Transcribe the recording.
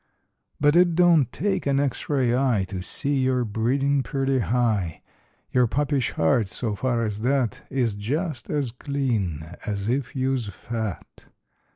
But it don't take an X ray eye To see your breedin's purty high— lour puppish heart, so far as that, Is just as clean as if you's fat.